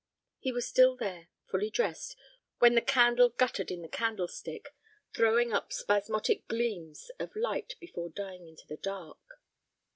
He was still there, fully dressed, when the candle guttered in the candlestick, throwing up spasmodic gleams of light before dying into the dark.